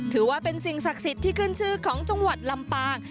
ถือว่าเป็นสิ่งศักดิ์สิทธิ์ที่ขึ้นชื่อของจังหวัดลำปาง